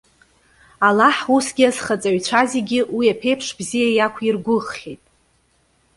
Аллаҳ, усгьы азхаҵаҩцәа зегьы, уи аԥеиԥш бзиа иақәиргәыӷхьеит.